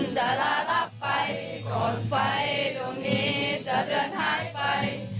จะลารับไปก่อนไฟดวงนี้จะเดินหายไป